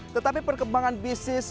tetapi perkembangan bisnis